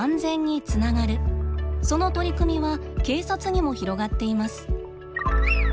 その取り組みは警察にも広がっています。